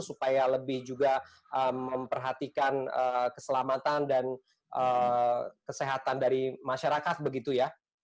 supaya lebih juga memperhatikan keselamatan dan kesehatan dari masyarakat begitu ya